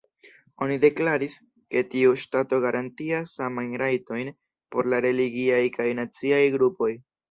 Oni deklaris, ke tiu ŝtato garantias samajn rajtojn por la religiaj kaj naciaj grupoj.